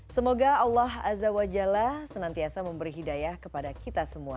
semoga allah azza wa jalla senantiasa memberi hidayah kepada kita semua